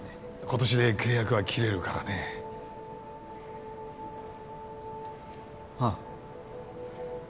今年で契約は切れるからねはあ